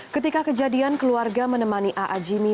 ketika kejadian keluarga menemani a a jimmy